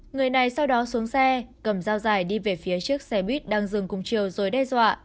người này sau đó xuống xe cầm dao dài đi về phía trước xe buýt đang dừng cùng chiều rồi đe dọa